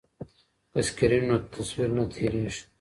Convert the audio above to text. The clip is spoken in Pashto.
که سکرین وي نو تصویر نه تیریږي.